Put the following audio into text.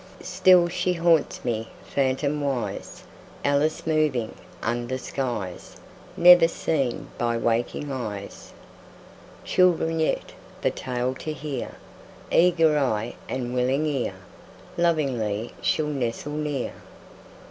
Still she haunts me, phantomwise, Alice moving under skies Never seen by waking eyes. Children yet, the tale to hear, Eager eye and willing ear, Lovingly shall nestle near.